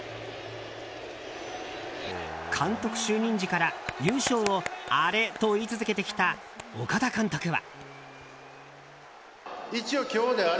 監督就任時から、優勝をアレと言い続けてきた岡田監督は。